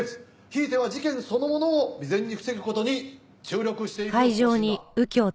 ひいては事件そのものを未然に防ぐ事に注力していく方針だ。